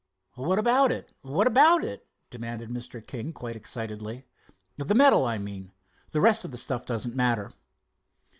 "What about it—what about it?" demanded Mr. King quite excitedly. "The medal, I mean. The rest of the stuff doesn't matter."